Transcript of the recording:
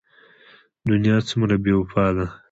دنيا څومره بې وفا ده.